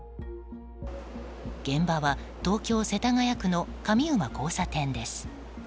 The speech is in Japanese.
現場は、東京・世田谷区の上馬交差点です。